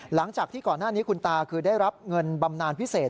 หลังจากที่ก่อนหน้านี้คุณตาคือได้รับเงินบำนานพิเศษ